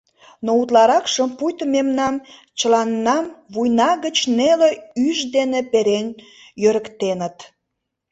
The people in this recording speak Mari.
Но утларакшым — пуйто мемнам чыланнам вуйна гыч неле ӱш дене перен йӧрыктеныт...